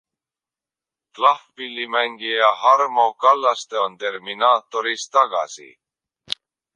Klahvpillimängija Harmo Kallaste on Terminaatoris tagasi?